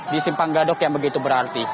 di simpang gadok yang begitu berarti